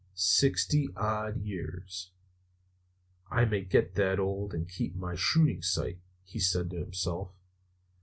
"Sixty odd years I may get to be that old and keep my shooting sight," he said to himself.